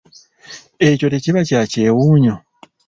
Ekyo tekiba kya kyewuunyo?